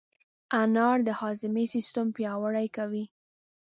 انار د هاضمې سیستم پیاوړی کوي.